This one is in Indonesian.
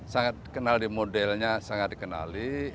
sangat kenal di modelnya sangat dikenali